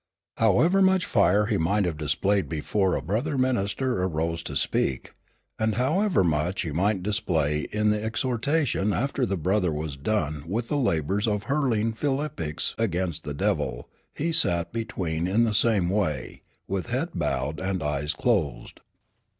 However much fire he might have displayed before a brother minister arose to speak, and however much he might display in the exhortation after the brother was done with the labors of hurling phillipics against the devil, he sat between in the same way, with head bowed and eyes closed.